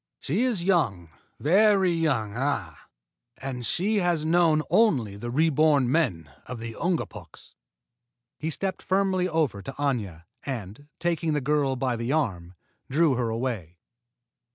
She is young, very young, ah! And she has known only the reborn men of the Ungapuks." He stepped firmly over to Aña, and, taking the girl by the arm, drew her away.